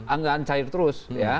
anggaran cair terus ya